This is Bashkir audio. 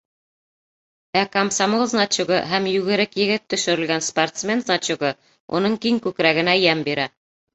Ә комсомол значогы һәм йүгерек егет төшөрөлгән спортсмен значогы уның киң күкрәгенә йәм бирә.